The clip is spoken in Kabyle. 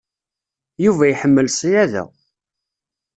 Yuba iḥemmel ṣyada.